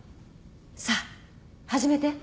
さあ始めて。